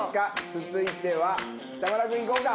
続いては北村君いこうか！